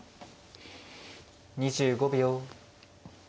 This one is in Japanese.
２５秒。